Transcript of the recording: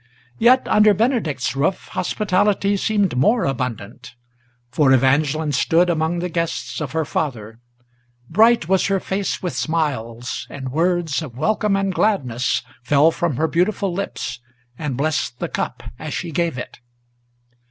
Yet under Benedict's roof hospitality seemed more abundant: For Evangeline stood among the guests of her father; Bright was her face with smiles, and words of welcome and gladness Fell from her beautiful lips, and blessed the cup as she gave it.